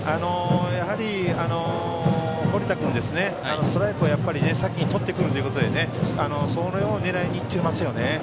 やはり、堀田君はストライクを先にとってくるということでそれを狙いに行っていますね。